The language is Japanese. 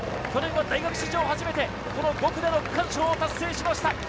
去年は大学史上初めて５区での区間賞を達成しました。